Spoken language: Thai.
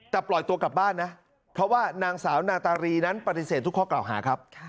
แต่ปล่อยตัวกลับบ้านนะเพราะว่านางสาวนาตารีนั้นปฏิเสธทุกข้อกล่าวหาครับ